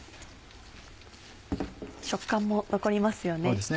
食感も残りますよね。